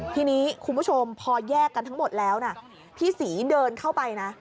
ทีนี้คุณผู้ชมพอแยกกันทั้งหมดแล้วนะพี่ศรีเดินเข้าไปนะ